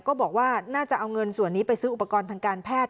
ก็บอกว่าน่าจะเอาเงินส่วนนี้ไปซื้ออุปกรณ์ทางการแพทย์